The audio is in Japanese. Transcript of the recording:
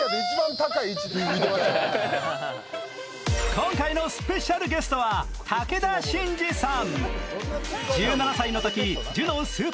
今回のスペシャルゲストは武田真治さん。